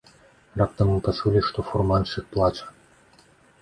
Раптам мы пачулі, што фурманшчык плача.